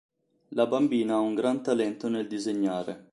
La bambina ha un gran talento nel disegnare.